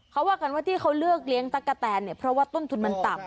เขาว่ากันว่าที่เขาเลือกเลี้ยงตั๊กกะแตนเนี่ยเพราะว่าต้นทุนมันต่ำ